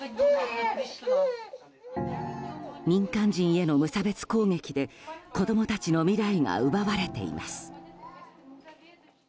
民間人への無差別攻撃で子供たちの未来が奪われています。